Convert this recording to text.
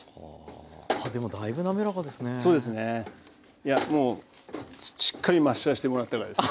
いやもうしっかりマッシャーしてもらったからです。